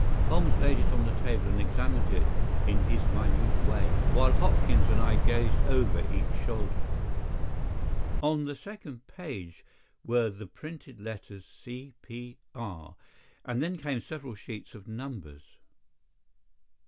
Holmes laid it on the table and examined it in his minute way, while Hopkins and I gazed over each shoulder. On the second page were the printed letters "C.P.R.," and then came several sheets of numbers.